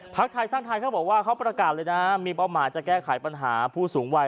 ไทยสร้างไทยเขาบอกว่าเขาประกาศเลยนะมีเป้าหมายจะแก้ไขปัญหาผู้สูงวัย